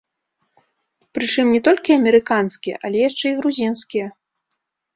Прычым не толькі амерыканскія, але яшчэ і грузінскія!